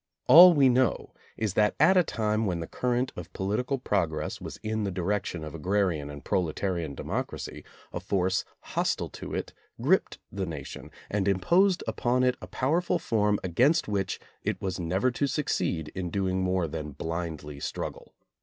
All we know is that at a time when the current of political progress was in the direction of agra rian and proletarian democracy, a force hostile to it gripped the nation and imposed upon it a power ful form against which it was never to succeed in doing more than blindly struggle.